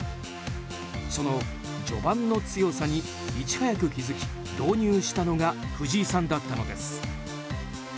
その序盤の強さにいち早く気づき導入したのが藤井さんだったのです。